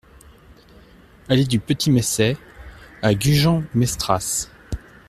Allée du Petit Mestey à Gujan-Mestras